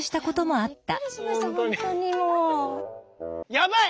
やばい！